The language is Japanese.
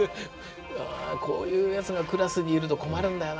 こういうやつがクラスにいると困るんだよな。